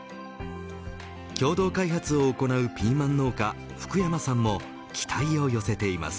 共同開発を行うピーマン農家福山さんも期待を寄せています。